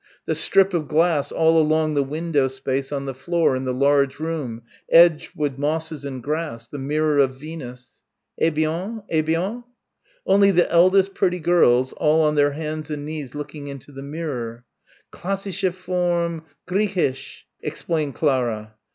the strip of glass all along the window space on the floor in the large room edged with mosses and grass the mirror of Venus.... "Eh bien? Eh bien!" ... Only the eldest pretty girls ... all on their hands and knees looking into the mirror.... "Classische Form Griechisch," explained Clara.